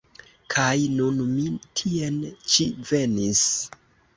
Kaj nun mi tien ĉi venis.